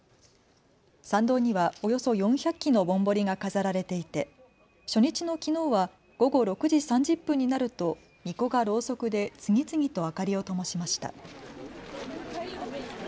参道にはおよそ４００基のぼんぼりが飾られていて初日のきのうは午後６時３０分になるとみこがろうそくで次々と明かりをともしました。